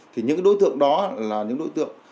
thì những đối tượng đó là những đối tượng